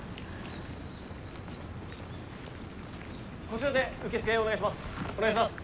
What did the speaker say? こちらで受付お願いします。